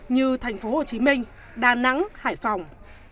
như thành phố hồ chí minh đà nẵng hải phòng